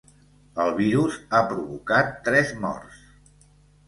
El virus ha provocat tres morts